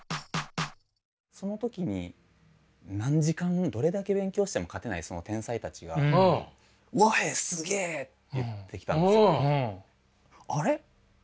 その時に何時間どれだけ勉強しても勝てないその天才たちが「和平すげえ！」って言ってきたんです。